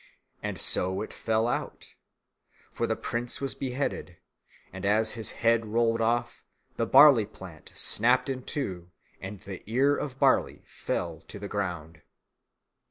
And so it fell out. For the prince was beheaded, and as his head rolled off, the barley plant snapped in two and the ear of barley fell to the ground.